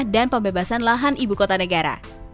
dan pembebasan lahan ibu kota negara